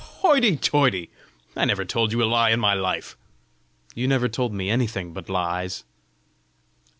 "Hoity toity! I never told you a lie in my life!" "You never told me anything but lies."